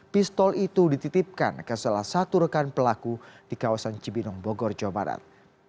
pistol itu dititipkan ke salah satu rekan pelaku di kawasan cibinong bogor jawa barat